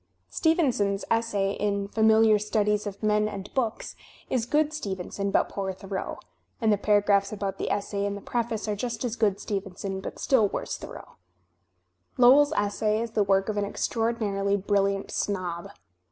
Stevenson's essay in "Familiar Studies of Men and Books" is good Stevenson but poor Thoreau; and the paragraphs about the essay in the preface are just as good Stevenson but still worse Thoreau. Lowell's Essay is the work of an extraordinarily brilliant snob.